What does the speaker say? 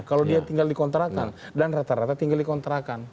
kalau dia tinggal di kontrakan dan rata rata tinggal di kontrakan